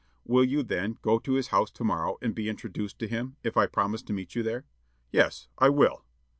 "Will you, then, go to his house to morrow, and be introduced to him, if I promise to meet you there?" "Yes, I will."